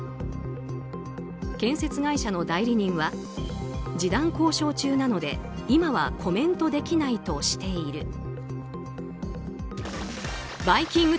建設会社の代理人は示談交渉中なので今はコメントできないとしている。